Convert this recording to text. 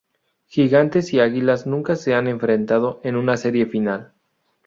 Gigantes y Águilas nunca se han enfrentado en una serie final.